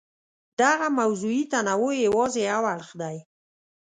دغه موضوعي تنوع یې یوازې یو اړخ دی.